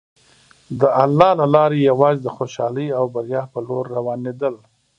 د الله له لارې یوازې د خوشحالۍ او بریا په لور روانېدل.